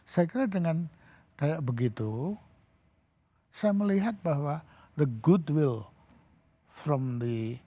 saya kira dengan kayak begitu saya melihat bahwa the good will from the